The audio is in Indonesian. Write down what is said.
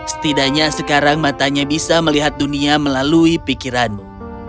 setidaknya sekarang matanya bisa melihat dunia melalui pikiranmu